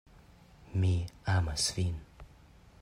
Mi amas vin.